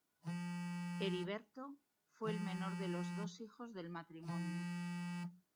Heriberto fue el menor de los dos hijos del matrimonio.